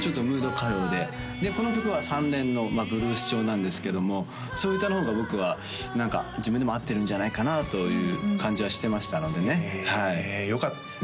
歌謡ででこの曲は３連のブルース調なんですけどもそういう歌の方が僕は何か自分でも合ってるんじゃないかなあという感じはしてましたのでねへえよかったですね